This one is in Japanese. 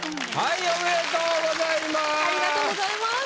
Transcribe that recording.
ありがとうございます。